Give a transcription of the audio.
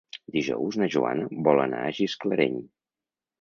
Dijous na Joana vol anar a Gisclareny.